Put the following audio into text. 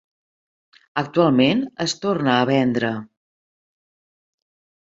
Actualment es torna a vendre.